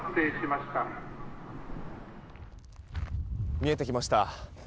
見えてきました。